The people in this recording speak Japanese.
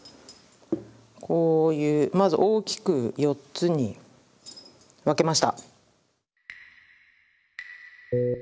こういうまず大きく４つに分けました。